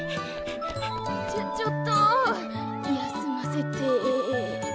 ちょちょっと休ませて。